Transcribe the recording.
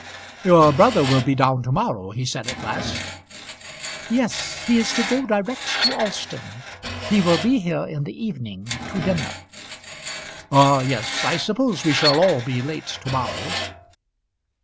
"Your brother will be down to morrow," he said at last. "Yes; he is to go direct to Alston. He will be here in the evening, to dinner." "Ah, yes; I suppose we shall all be late to morrow."